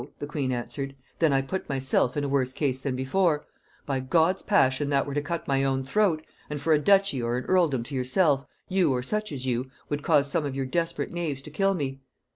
the queen answered; "then I put myself in a worse case than before: By God's passion, that were to cut my own throat; and for a duchy or an earldom to yourself, you, or such as you, would cause some of your desperate knaves to kill me.